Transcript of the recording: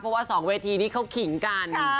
เพราะว่า๒เวทีนี้เขาขิงกัน